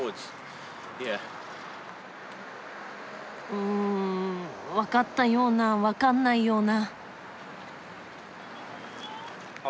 うんわかったようなわかんないような。